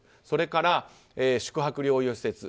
それから宿泊療養施設